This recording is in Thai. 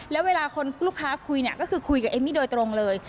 แล้วเวลาคนลูกค้าคุยเนี่ยก็คือคุยกับเอมมี่โดยตรงเลย